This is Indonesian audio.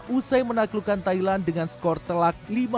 usai menaklukkan thailand dengan skor telak lima